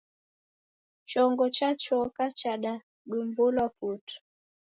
Chongo cha choka chadadumbulwa putu.